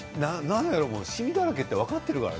しみだらけって分かっているから。